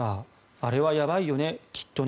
あれはやばいよね、きっとね。